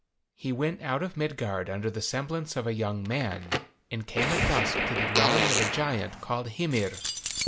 He went out of Midgard under the semblance of a young man, and came at dusk to the dwelling of a giant called Hymir.